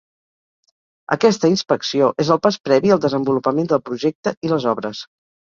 Aquesta inspecció és el pas previ al desenvolupament del projecte i les obres.